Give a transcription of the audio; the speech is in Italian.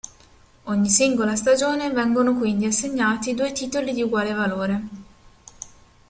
Ogni singola stagione vengono quindi assegnati due titoli di uguale valore.